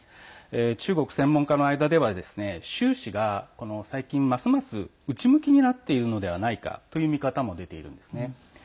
中国専門家の間では習氏が、最近ますます内向きになっているのではないかという見方も出ているんですね。